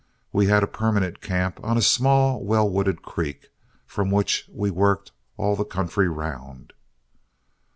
We had a permanent camp on a small well wooded creek, from which we worked all the country round.